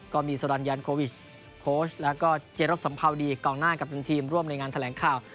ก็มีสรรยันโควิชโค้ชแล้วก็เจรบสัมภาวดีกองหน้ากัปตันทีมร่วมในงานแถลงข่าว